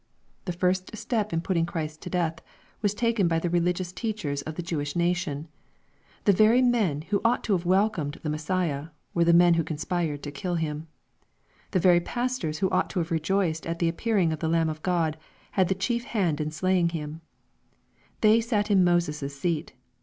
The first step in putting Christ to death, was taken by the religious teachers of the Jewish nation. The very men who ought to have welcomed the Messiah, were the men who conspired to kill Him. The very pastors who ought to have rejoiced at the appearing of the Lamb of Grod, had the chief hand in slaying Him They sat in Moses' seat.